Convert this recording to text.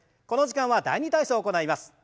この時間は「第２体操」を行います。